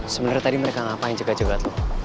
sebenernya tadi mereka ngapain cegat cegat lo